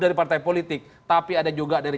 dari partai politik tapi ada juga dari